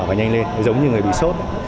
và nhanh lên giống như người bị sốt